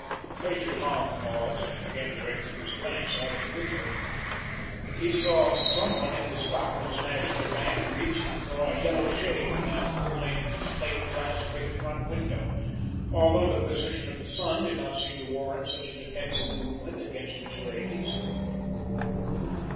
Major Tom paused, and again directed his glance out of the window. He saw some one in the Stockmen's National Bank reach and draw a yellow shade down the whole length of its plate glass, big front window, although the position of the sun did not seem to warrant such a defensive movement against its rays.